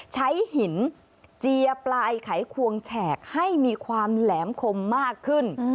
ใช้หินเจียปลายไขควงแฉกให้มีความแหลมคมมากขึ้น